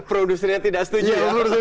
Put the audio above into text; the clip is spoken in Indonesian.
pro industri nya tidak setuju ya